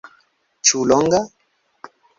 Ĉu longa?